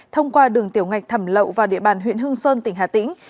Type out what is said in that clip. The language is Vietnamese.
thông qua đường tiểu ngạch thẩm lậu vào địa bàn huyện hương sơn tỉnh hà tĩnh